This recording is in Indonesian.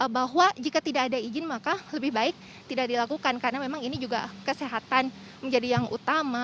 bahwa jika tidak ada izin maka lebih baik tidak dilakukan karena memang ini juga kesehatan menjadi yang utama